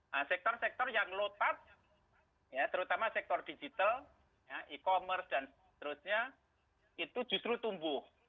nah sektor sektor yang low touch ya terutama sektor digital e commerce dan seterusnya itu justru tumbuh